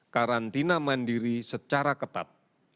karantina mandiri secara ketat